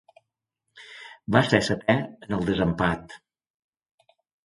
Va ser setè en el desempat.